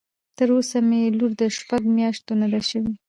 تر اوسه مې لور د شپږ مياشتو نه ده شوى.